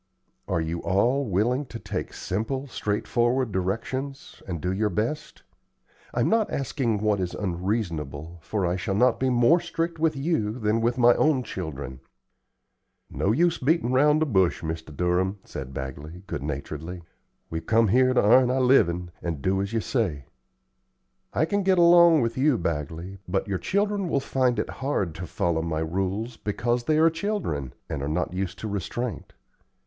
"Are you all willing to take simple, straightforward directions, and do your best? I'm not asking what is unreasonable, for I shall not be more strict with you than with my own children." "No use o' beatin' around the bush, Mr. Durham," said Bagley, good naturedly; "we've come here to 'arn our livin', and to do as you say." "I can get along with you, Bagley, but your children will find it hard to follow my rules, because they are children, and are not used to restraint.